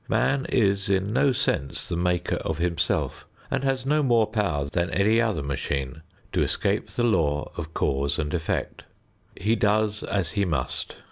Man is in no sense the maker of himself and has no more power than any other machine to escape the law of cause and effect. He does as he must.